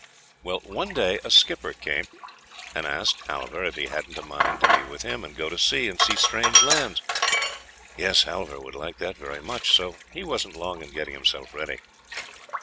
Well, one day a skipper came, and asked Halvor if he hadn't a mind to be with him, and go to sea, and see strange lands. Yes, Halvor would like that very much; so he wasn't long in getting himself ready.